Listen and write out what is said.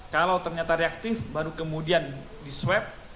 kalau ternyata reaktif baru kemudian diswap